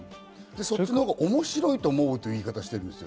そっちの方が面白いという言い方をしている。